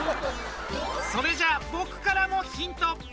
それじゃあ僕からもヒント！